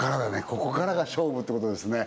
ここからが勝負ってことですね